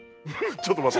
ちょっと待って。